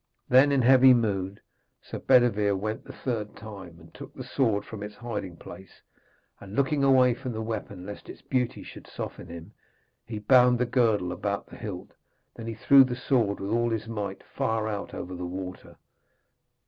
Then in heavy mood Sir Bedevere went the third time, and took the sword from its hiding place, and looking away from the weapon lest its beauty should soften him, he bound the girdle about the hilt, and then he threw the sword with all his might far out over the water.